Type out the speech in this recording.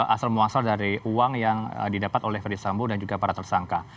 asal muasal dari uang yang didapat oleh ferdis sambo dan juga para tersangka